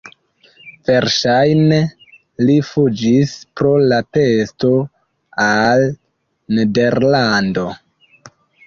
Verŝajne li fuĝis pro la pesto al Nederlando.